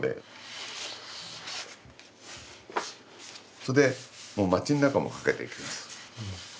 それでもう街の中も駆けていきます。